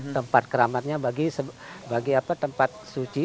tempat keramatnya bagi tempat suci